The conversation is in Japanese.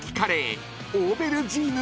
「オーベルジーヌ」！